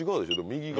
右側。